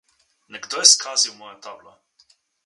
Nekdo je skazil mojo tablo.